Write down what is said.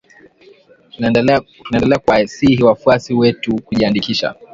Tunaendelea kuwasihi wafuasi wetu kujiandikisha